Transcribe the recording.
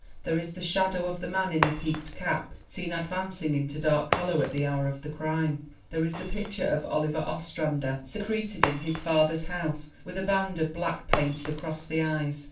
There is the shadow of the man in the peaked cap seen advanc ing into Dark Hollow at the hour of the crime. There .is the picture of Oliver Ostrander secreted in his fath 208 THE WOMEN WHO MAKE OUR NOVELS er's house with a band of black painted across the eyes.